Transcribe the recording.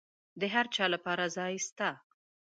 د هرچا لپاره ځای سته.